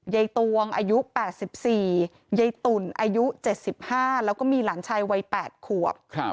ตวงอายุ๘๔ยายตุ่นอายุ๗๕แล้วก็มีหลานชายวัย๘ขวบ